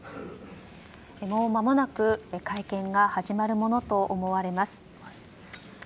もうまもなく会見が始まるものと思われます。